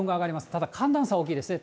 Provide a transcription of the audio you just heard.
ただ寒暖差大きいですね。